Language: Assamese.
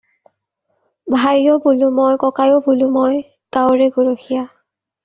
ভাইও বোলোঁ মই ককাইও বোলো মই, গাঁৱৰে গৰখীয়া।